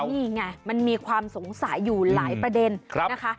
นี่ไงมันมีความสงสัยอยู่หลายประเด็นนะคะ